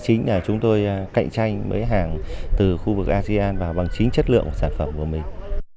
thứ chín là chúng tôi cạnh tranh mấy hàng từ khu vực asean và bằng chính chất lượng sản phẩm của mình